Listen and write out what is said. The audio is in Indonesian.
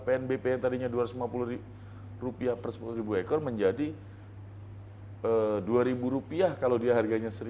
pnbp yang tadinya dua ratus lima puluh rupiah per seribu ekor menjadi dua ribu rupiah kalau dia harganya seribu